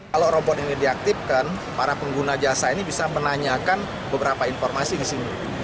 kalau robot ini diaktifkan para pengguna jasa ini bisa menanyakan beberapa informasi di sini